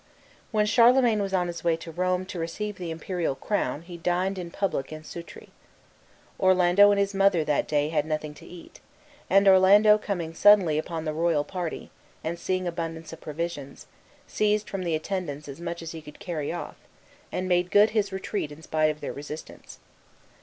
When Charlemagne was on his way to Rome to receive the imperial crown he dined in public in Sutri. Orlando and his mother that day had nothing to eat, and Orlando coming suddenly upon the royal party, and seeing abundance of provisions, seized from the attendants as much as he could carry off, and made good his retreat in spite of their resistance.